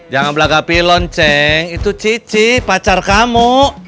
jangan berlaka pilon ceng itu cici pacar kamu